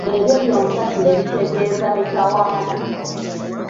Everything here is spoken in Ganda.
Ebyo byonsatule bitegeeza mitawaana.